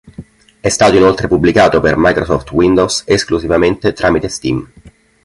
È stato inoltre pubblicato per Microsoft Windows esclusivamente tramite Steam.